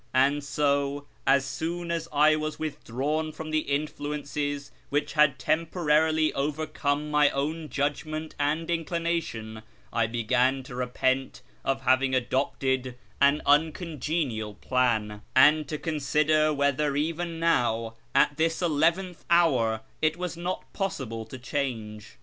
And so, as soon as I was withdrawn from the influences which had temporarily overcome my own judgment and inclination, I began to repent of having adopted an uncongenial plan, and to consider whether even now, at this eleventh hour, it was not possiljle to change.